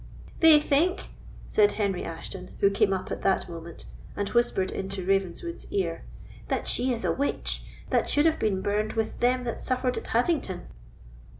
"They think," said Henry Ashton, who came up at that moment, and whispered into Ravenswood's ear, "that she is a witch, that should have been burned with them that suffered at Haddington."